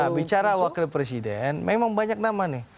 nah bicara wakil presiden memang banyak nama nih